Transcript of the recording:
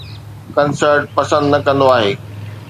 concert پسند نه ڪندو آهي